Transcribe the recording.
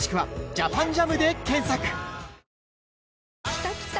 きたきた！